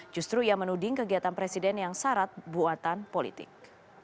justru ia menuding kegiatan presiden yang syarat buatan politik